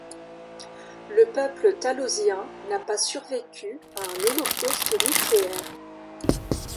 Le peuple talosien n'a pas survécu à un holocauste nucléaire.